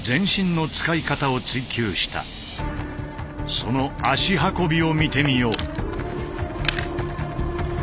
その「足運び」を見てみよう。